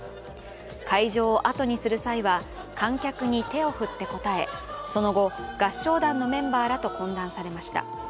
会場を後にする際は、観客に手を振って応え、その後、合唱団のメンバーらと懇談されました。